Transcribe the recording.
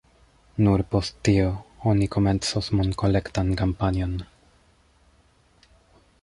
Nur post tio oni komencos monkolektan kampanjon.